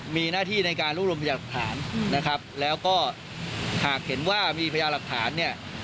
มีหน้าที่ในการรวบรวมพยาหลักฐานนะครับแล้วก็หากเห็นว่ามีพยาหลักฐานเนี่ย